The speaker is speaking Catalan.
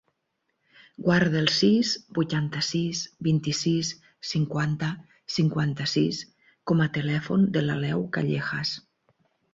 Guarda el sis, vuitanta-sis, vint-i-sis, cinquanta, cinquanta-sis com a telèfon de l'Aleu Callejas.